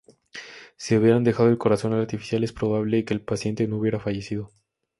Si hubieran dejado el corazón artificial es probable que el paciente no hubiera fallecido.